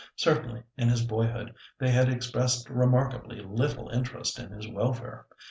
Certainly, in his boyhood, they had expressed remarkably little interest in his welfare.